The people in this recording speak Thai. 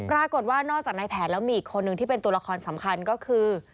ปรากฏว่านอกจากในแผนแล้วมีอีกคนนึงที่เป็นตัวละครสำคัญก็คือ